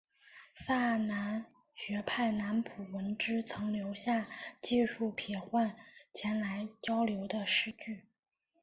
萨南学派南浦文之曾留下记述撇贯前来交流的诗句。